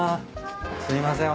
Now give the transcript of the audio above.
すいません。